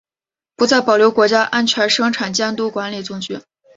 不再保留国家安全生产监督管理总局。